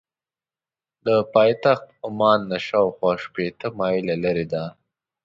له پایتخت عمان نه شاخوا شپېته مایله لرې ده.